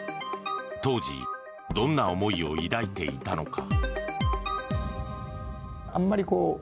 当時、どんな思いを抱いていたのか。